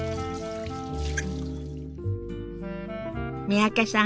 三宅さん